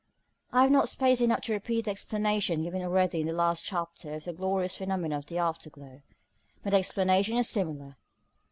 I have not space enough to repeat the explanation given already in the last chapter of the glorious phenomenon of the afterglow. But the explanation is similar.